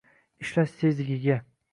ishlash tezligiga